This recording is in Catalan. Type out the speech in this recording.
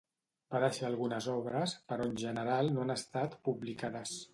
Va deixar algunes obres, però en general no han estat publicades.